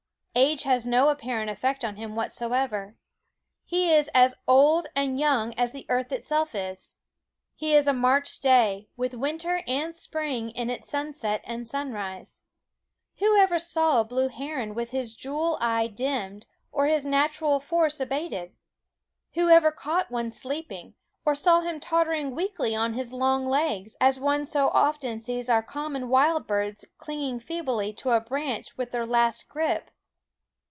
Age has no apparent effect on him whatsoever. He is as old and young as the earth itself is ; he is a March day, with winter and spring in its sunset and sunrise. Who ever saw a blue heron with his jewel eye dimmed or his natural force abated? Who ever caught one sleeping, or saw him totter ing weakly on his long legs, as one so often sees our common wild birds clinging feebly to a branch with their last grip?